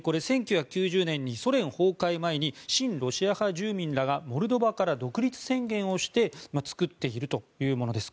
１９９０年にソ連崩壊前に親ロシア派住民らがモルドバから独立宣言をして作っているというものです。